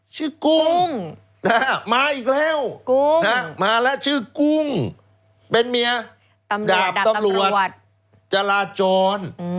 กุ้งมาอีกแล้วมาแล้วชื่อกุ้งเป็นเมียดาบตำรวจจราจร